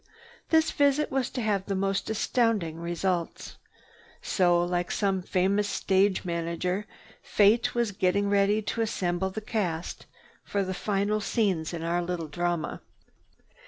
This visit was to have the most astounding results. So, like some famous stage manager, Fate was getting ready to assemble the cast for the final scenes in our little drama.